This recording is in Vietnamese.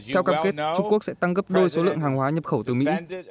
theo cam kết trung quốc sẽ tăng gấp đôi số lượng hàng hóa nhập khẩu từ mỹ